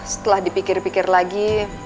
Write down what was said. setelah dipikir pikir lagi